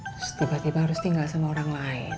terus tiba tiba harus tinggal sama orang lain